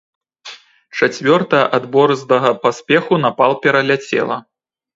Чацвёртая ад борздага паспеху напал пераляцела.